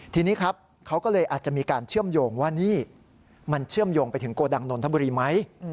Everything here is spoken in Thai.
ทีนี้ครับเขาก็เลยอาจจะมีการเชื่อมโยงว่านี่มันเชื่อมโยงไปถึงโกดังนนทบุรีไหม